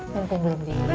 minta belum dingin